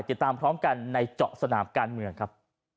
ติดตามพร้อมกันในเจาะสนามการเมืองครับ